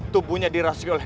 tubuhnya dirasuki oleh